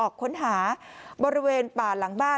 กลุ่มตัวเชียงใหม่